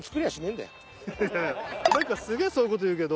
んかすげえそういうこと言うけど。